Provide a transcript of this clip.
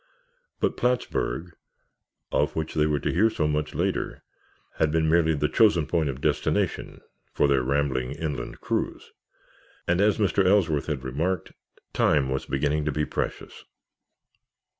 But Plattsburg, of which they were to hear so much later, had been merely the chosen point of destination for their rambling inland cruise, and as Mr. Ellsworth had remarked, time was beginning to be precious.